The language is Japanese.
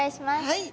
はい！